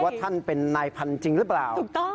ว่าท่านเป็นนายพันจริงหรือเปล่าถูกต้อง